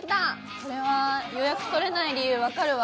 これは予約取れないわけ分かるわ。